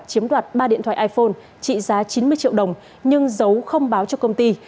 chiếm đoạt ba điện thoại iphone trị giá chín mươi triệu đồng nhưng dấu không báo cho công ty